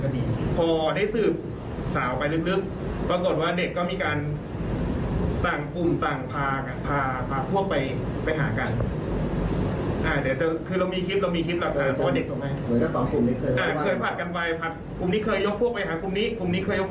คุมนี้เคยยกพวกมาหาคุมนี้เคยมีอยู่